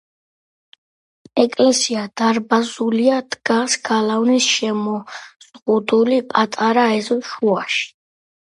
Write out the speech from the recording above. ეკლესია დარბაზულია, დგას გალავნით შემოზღუდული პატარა ეზოს შუაში.